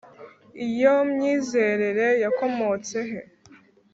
iyo myizerere yakomotse he?